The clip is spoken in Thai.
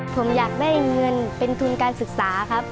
ผมอยากได้เงินเป็นทุนการศึกษาครับ